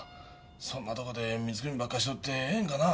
そんなとこで水くみばっかしとってええんかな。